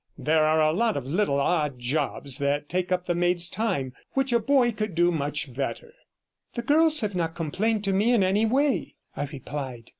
There are a lot of little odd jobs that take up the maids' time which a boy could do much better.' 'The girls have not complained to me in any way,' I replied.